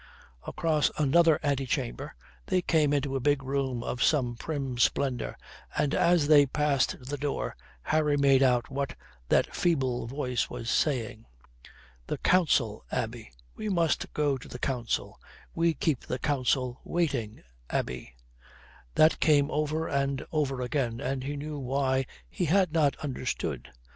Across another antechamber, they came into a big room of some prim splendour, and as they passed the door Harry made out what that feeble voice was saying: "The Council, Abbie: we must go to the Council: we keep the Council waiting, Abbie:" that came over and over again, and he knew why he had not understood.